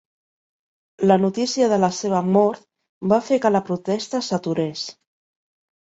La notícia de la seva mort va fer que la protesta s'aturés.